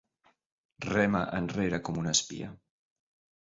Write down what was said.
Rema enrere com un espia.